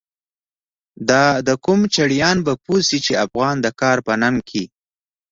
دا د قم چړیان به پوه شی، چی افغان د کار په ننگ کی